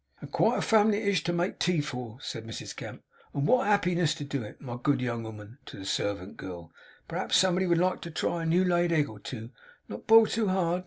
'And quite a family it is to make tea for,' said Mrs Gamp; 'and wot a happiness to do it! My good young 'ooman' to the servant girl 'p'raps somebody would like to try a new laid egg or two, not biled too hard.